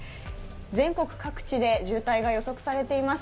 全国各地で渋滞が予測されています。